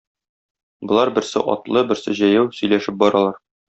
Болар, берсе атлы, берсе җәяү, сөйләшеп баралар.